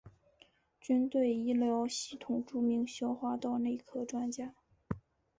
军队医疗系统著名消化道内科专家。